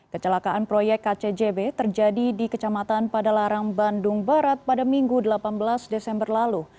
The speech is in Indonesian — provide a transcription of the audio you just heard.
kecelakaan proyek kcjb terjadi di kecamatan padalarang bandung barat pada minggu delapan belas desember lalu